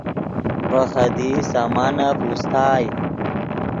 ڤے خدیئی سامانف اوستائے